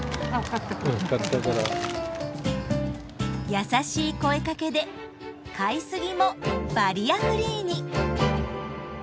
優しい声かけで買いすぎもバリアフリーに。